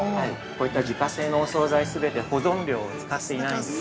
◆こういった自家製のお総菜全て保存料を使っていないんです。